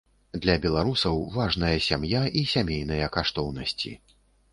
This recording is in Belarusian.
Для беларусаў важная сям'я і сямейныя каштоўнасці.